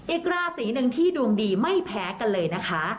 อีกราศีหนึ่งที่ดวงดีไม่แพ้กันเลยนะคะ